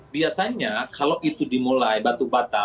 biasanya kalau itu dimulai batu batam